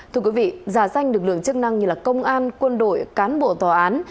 thưa quý vị giả danh lực lượng chức năng như công an quân đội cán bộ tòa án